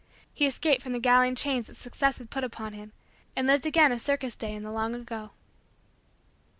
He escaped from the galling chains that Success had put upon him and lived again a circus day in the long ago.